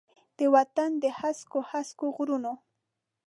د وطن د هسکو، هسکو غرونو،